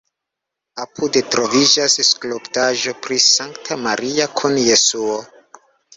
Apude troviĝas skulptaĵo pri Sankta Maria kun Jesuo.